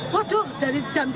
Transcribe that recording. waduh dari jam tiga